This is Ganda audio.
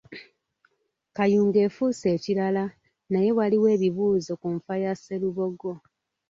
Kayunga efuuse ekirala naye waliwo ebibuuzo ku nfa ya Sserubogo.